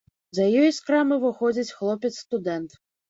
За ёй з крамы выходзіць хлопец-студэнт.